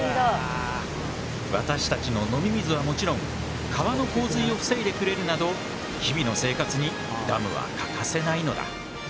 私たちの飲み水はもちろん川の洪水を防いでくれるなど日々の生活にダムは欠かせないのだ。